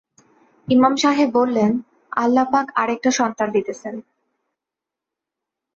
ইমাম সাহেব বললেন, আল্লাহপাক আরেকটা সন্তান দিতেছেন।